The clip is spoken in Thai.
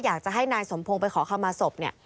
อยากจะให้นายสมภงไปขอคำมาศพ